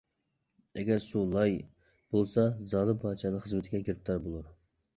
ئەگەر سۇ لاي بولسا زالىم پادىشاھنىڭ خىزمىتىگە گىرىپتار بولۇر.